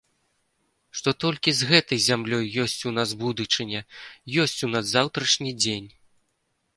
Што толькі з гэтай зямлёй ёсць у нас будучыня, ёсць у нас заўтрашні дзень.